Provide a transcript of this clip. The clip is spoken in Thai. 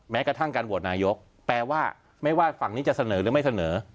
แม้กระทั่งการโหวตนายกแปลว่าไม่ว่าฝั่งนี้จะเสนอหรือไม่เสนอ